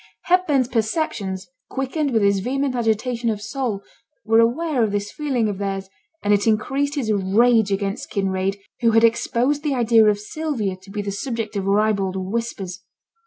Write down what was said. Hepburn's perceptions, quickened with his vehement agitation of soul, were aware of this feeling of theirs; and it increased his rage against Kinraid, who had exposed the idea of Sylvia to be the subject of ribald whispers.